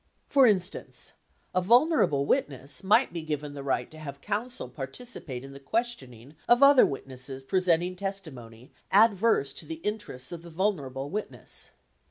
For instance, a "vulner able" witness might be given the right to have counsel participate in the questioning of other witnesses presenting testimony adverse to the interests of the vulnerable witness.